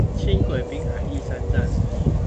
輕軌濱海義山站